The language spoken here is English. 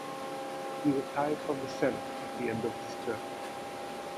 He retired from the Senate at the end of his term.